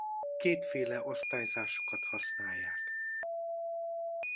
Kétféle osztályozásukat használják.